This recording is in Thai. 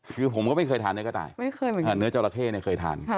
คือผมก็ไม่เคยทานเนื้อกระต่ายเนื้อจราเข้เนี่ยเคยทาน